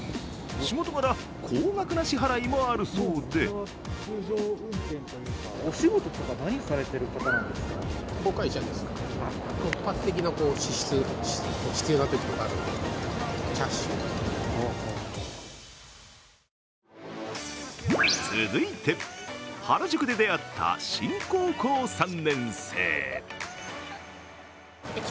仕事柄、高額な支払いもあるそうで続いて原宿で出会った新・高校３年生。